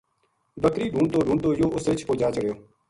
بکری ڈُھونڈتو ڈُھونڈتو یوہ اس رِچھ پو جا چَڑہیو